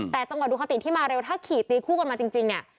แต่จังหวะดูคติที่มาเร็วถ้าขี่ตีคู่กันมาจริงเนี่ย